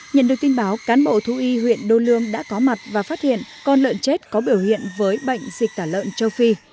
nhận được tin báo cán bộ thú y huyện đô lương đã có mặt và phát hiện con lợn chết có biểu hiện với bệnh dịch tả lợn châu phi